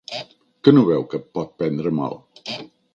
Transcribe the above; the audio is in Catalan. Que no veu que pot prendre mal?